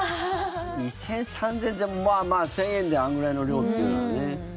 ２０００円３０００円でもまあまあ、１０００円であのぐらいの量っていうのはね。